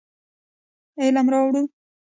علم راوړو.